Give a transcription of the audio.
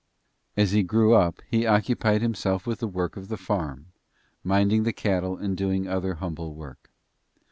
As he grew up he occupied himself with the work of the farm, minding the cattle and doing other humble work.